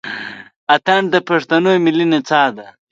اتڼ د پښتنو ملي نڅا ده.